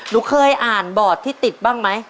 หนูเคยอ่านบอร์ดที่ติดบ้างไหม